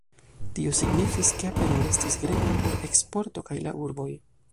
Tio signifis, ke apenaŭ restis greno por eksporto kaj la urboj.